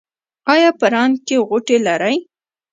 ایا په ران کې غوټې لرئ؟